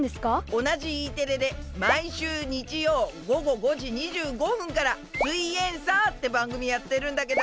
おなじＥテレで毎週日曜午後５時２５分から「すイエんサー」ってばんぐみやってるんだけど。